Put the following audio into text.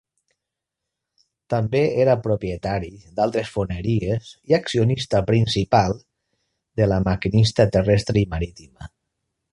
També era propietari d'altres foneries i accionista principal de La Maquinista Terrestre i Marítima.